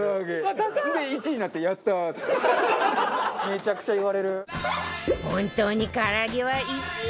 めちゃくちゃ言われる。